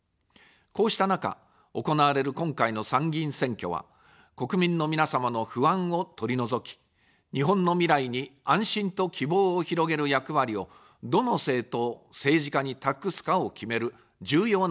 こうした中、行われる今回の参議院選挙は、国民の皆様の不安を取り除き、日本の未来に安心と希望を広げる役割を、どの政党、政治家に託すかを決める重要な選挙です。